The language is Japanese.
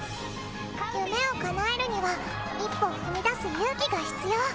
夢をかなえるには一歩踏み出す勇気が必要。